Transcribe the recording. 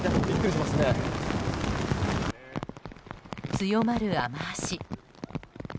強まる雨脚。